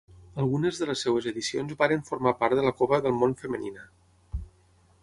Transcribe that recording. Algunes de les seves edicions varen formar part de la Copa del Món femenina.